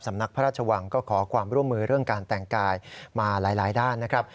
นักพระราชวังก็ขอความร่วมมือเรื่องการแต่งกายมาหลายด้านนะครับ